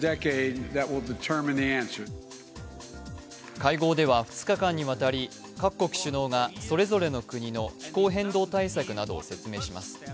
会合では２日間にわたり各国首脳がそれぞれの国の気候変動対策などを説明します。